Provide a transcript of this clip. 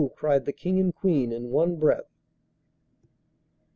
cried the King and Queen in one breath.